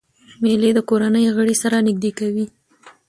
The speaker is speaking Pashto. مېلې د کورنۍ غړي سره نږدې کوي.